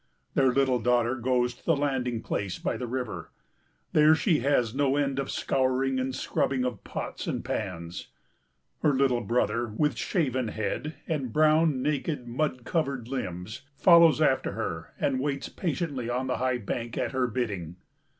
Their little daughter goes to the landing place by the river; there she has no end of scouring and scrubbing of pots and pans. Her little brother, with shaven head and brown, naked, mud covered limbs, follows after her and waits patiently on the high bank at her bidding.